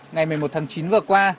ngày một mươi một tháng chín vừa qua